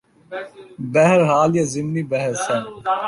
بہرحال یہ ضمنی بحث ہے۔